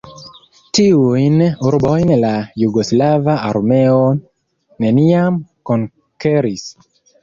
Tiujn urbojn la jugoslava armeo neniam konkeris.